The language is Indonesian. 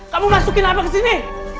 kamu masukin apa ke sini